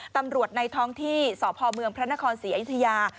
ตำรวจในท้องที่สพเมืองพระนครศรีอิทยา